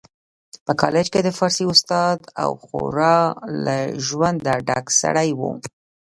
په کالج کي د فارسي استاد او خورا له ژونده ډک سړی و